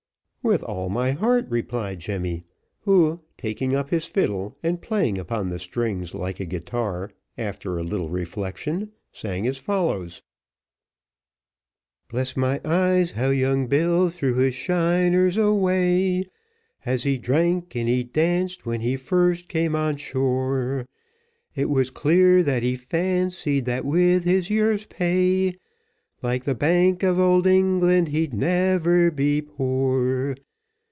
"With all my heart," replied Jemmy; who, taking up his fiddle, and playing upon the strings like a guitar, after a little reflection, sang as follows: Bless my eyes, how young Bill threw his shiners away, As he drank and he danced, when he first came on shore! It was clear that he fancied that with his year's pay, Like the Bank of Old England, he'd never be poor.